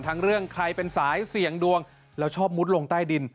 เรื่องใครเป็นสายเสี่ยงดวงแล้วชอบมุดลงใต้ดิน